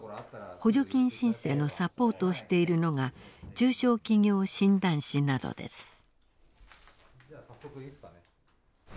補助金申請のサポートをしているのが中小企業診断士などです。